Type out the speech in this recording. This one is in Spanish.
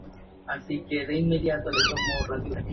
La familia Peirano controlaba el Banco de Montevideo en Uruguay.